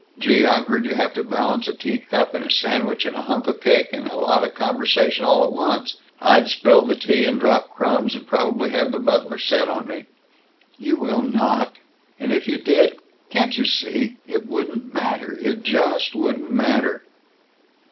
Gee, I've heard you have to balance a tea cup and a sandwich and a hunk o' cake and a lot of conversation all at once! I'd spill the tea, and drop crumbs, and probably have the butler set on me." "You will not! And if you did can't you see? it wouldn't matter! It just wouldn't matter!"